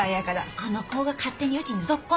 あの子が勝手にウチにぞっこんなんや。